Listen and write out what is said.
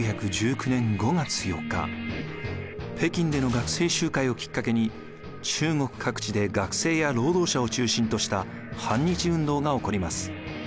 北京での学生集会をきっかけに中国各地で学生や労働者を中心とした反日運動がおこります。